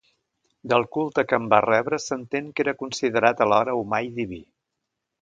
Del culte que en va rebre s'entén que era considerat alhora humà i diví.